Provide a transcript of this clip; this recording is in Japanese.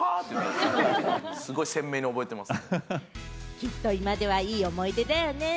きっと今ではいい思い出だよね。